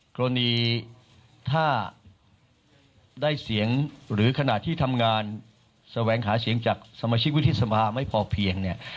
กรณีถ้าได้เสียงหรือขณะที่ทำงานแสวงหาเสียงจากสมาชิกวุฒิสภาไม่พอเพียงเนี่ย